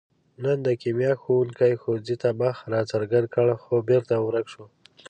نن د کیمیا ښوونګي ښوونځي ته مخ را څرګند کړ، خو بېرته ورک شو.